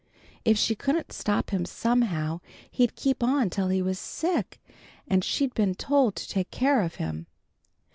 If she couldn't stop him somehow he'd keep on till he was sick, and she'd been told to take care of him.